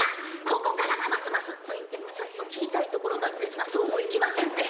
ここからがますますと言ってプツッと切りたいところなんですがそうもいきませんで。